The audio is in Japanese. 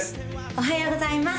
おはようございます